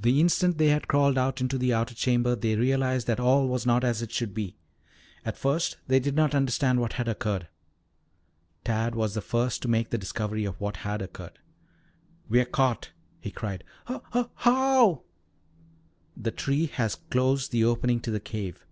The instant they had crawled out into the outer chamber they realized that all was not as it should be. At first they did not understand what had occurred. Tad was the first to make the discovery of what had occurred. "We're caught!" he cried. "H ho how?" "The tree has closed the opening to the cave.